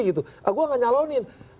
saya tidak menyalon